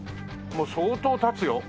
もう相当経つよ。